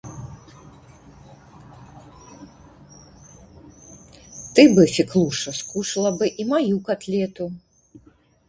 Ты бы, Феклуша, скушала бы и мою котлетку